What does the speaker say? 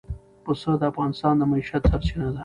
پسه د افغانانو د معیشت سرچینه ده.